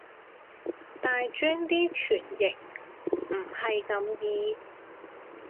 大專啲傳譯唔係咁易